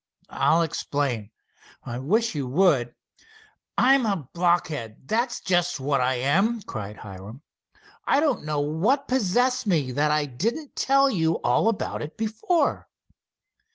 "I'll explain." "I wish you would." "I'm a blockhead, that's just what I am!" cried Hiram. "I don't know what possessed me that I didn't tell you all about it before."